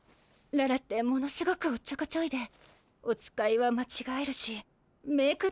ララってものすごくおっちょこちょいでお使いはまちがえるしメーク